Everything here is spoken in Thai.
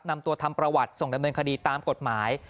นำตัวทำประวัติส่งดำเนินคดีตามกฎหมาย